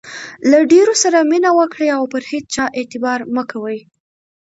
له ډېرو سره مینه وکړئ، او پر هيچا اعتبار مه کوئ!